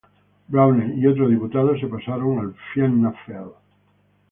Browne y otro diputado se pasaron al Fianna Fáil.